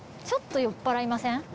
ちょっと酔っぱらいません？